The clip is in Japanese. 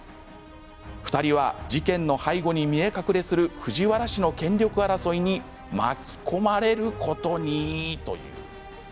２人は事件の背後に見え隠れする藤原氏の権力争いに巻き込まれることに。